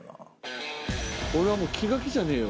俺はもう気が気じゃねえよ